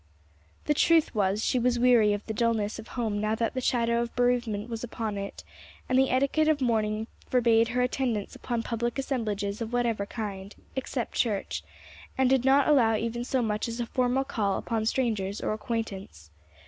The truth was she was weary of the dulness of home now that the shadow of bereavement was upon it, and the etiquette of mourning forbade her attendance upon public assemblages of whatever kind, except church, and did not allow even so much as a formal call upon strangers or acquaintance.